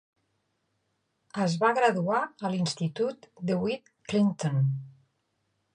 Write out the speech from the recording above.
Es va graduar a l'institut DeWitt Clinton.